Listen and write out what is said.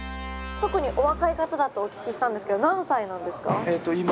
特にお若い方だとお聞きしたんですけど何歳なんですか？